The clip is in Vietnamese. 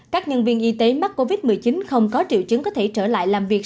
các nhân viên y tế mắc covid một mươi chín không có triệu chứng có thể trở lại làm việc